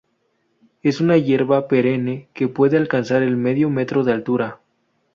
Es una hierba perenne que puede alcanzar el medio metro de altura.